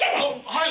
はい！